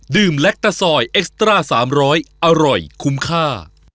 ดื่มแลคตะซอยเอ็กสตรา๓๐๐อร่อยคุ้มค่า